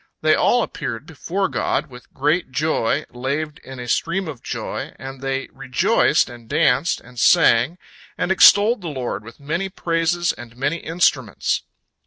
They all appeared before God with great joy, laved in a stream of joy, and they rejoiced and danced and sang, and extolled the Lord with many praises and many instruments.